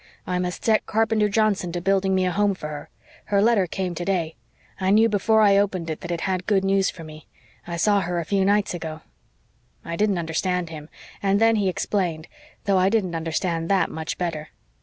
I must set Carpenter Johnson to building me a home for her. Her letter come today. I know before I opened it that it had good news for me. I saw her a few nights ago.' "I didn't understand him, and then he explained though I didn't understand THAT much better.